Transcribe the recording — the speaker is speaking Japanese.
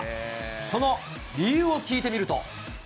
その理由を聞いてみると。